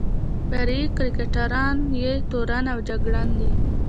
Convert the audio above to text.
فرعي کرکټرونه یې تورن او جګړن دي.